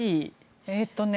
えっとね。